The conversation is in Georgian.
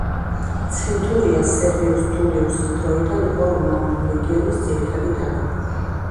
ცენტურია სერვიუს ტულიუსის დროიდან იყო რომაული ლეგიონის ძირითადი დანაყოფი.